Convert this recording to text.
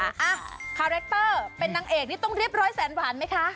อ่ะคาแรคเตอร์เป็นนางเอกนี่ต้องเรียบร้อยแสนหวานไหมคะ